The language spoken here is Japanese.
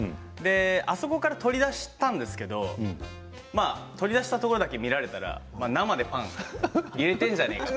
あそこから取り出したんですけれど取り出したところだけ見られたら生でパン入れてんじゃねえかと。